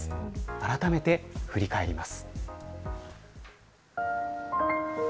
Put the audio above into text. あらためて振り返ります。